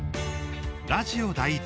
ラジオ第１